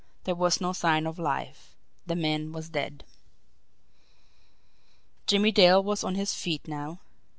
There was no sign of life the man was dead. Jimmie Dale was on his feet now.